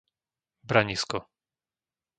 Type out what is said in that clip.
Branisko